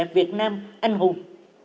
các bà mẹ việt nam anh hùng